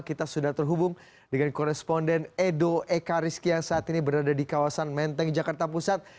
kita sudah terhubung dengan koresponden edo ekariski yang saat ini berada di kawasan menteng jakarta pusat